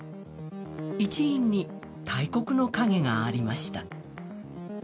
一因に大国の影がありました。